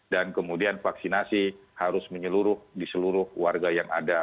dan kemudian vaksinasi harus menyeluruh di seluruh warga yang ada